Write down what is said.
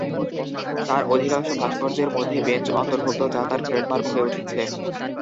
তাঁর অধিকাংশ ভাস্কর্যের মধ্যে বেঞ্চ অন্তর্ভুক্ত, যা তাঁর ট্রেডমার্ক হয়ে উঠেছে।